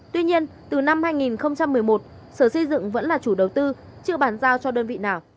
tuy nhiên từ năm hai nghìn một mươi một sở xây dựng vẫn là chủ đầu tư chưa bàn giao cho đơn vị nào